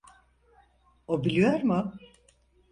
O biliyor mu?